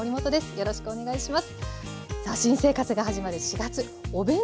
よろしくお願いします。